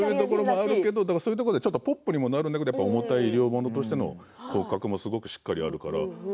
そういうところでポップにもなるんだけれども重たい洋物としての骨格もあるから。